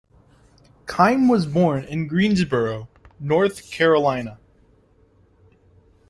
Kime was born in Greensboro, North Carolina.